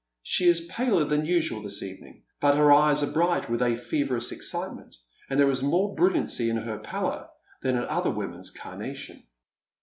She is paler than usual this evening, but her eyes are I >right with a feverous excitement, and there is more brilliancy in her pallor than in other women's carnation.